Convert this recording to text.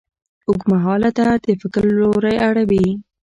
اوږدمهاله درد د فکر لوری اړوي.